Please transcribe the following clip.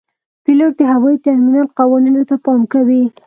پیلوټ د هوايي ترمینل قوانینو ته پام کوي.